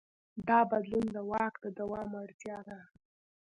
دا بدلون د واک د دوام اړتیا ده.